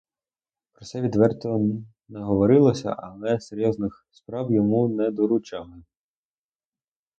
Про це відверто не говорилося, але серйозних справ йому не доручали.